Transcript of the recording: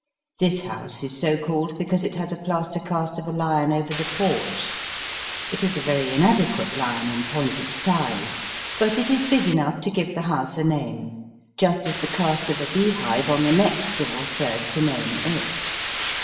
This house is so called because it has a plaster cast of a lion over the porch. It is a very inadequate lion in point of size ; but it is big enough to give the house a name, just as the cast of a bee hive on the next door serves to name it.